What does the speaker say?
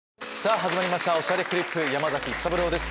始まりました『おしゃれクリップ』山崎育三郎です。